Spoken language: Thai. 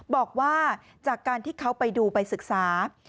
บอกว่าจากการที่เขาไปดูไปศึกษา